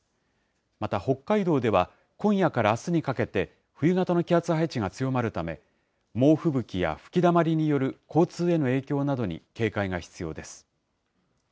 また北海道では、今夜からあすにかけて、冬型の気圧配置が強まるため、猛吹雪や吹きだまりによる交通への影響などに警戒が必要です。